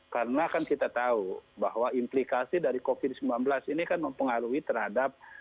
karena kan kita tahu bahwa implikasi dari covid sembilan belas ini kan mempengaruhi terhadap